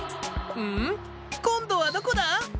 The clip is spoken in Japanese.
こんどはどこだ？